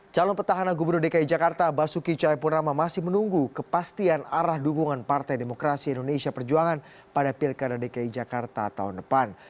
calon petahana gubernur dki jakarta basuki cahayapurama masih menunggu kepastian arah dukungan partai demokrasi indonesia perjuangan pada pilkada dki jakarta tahun depan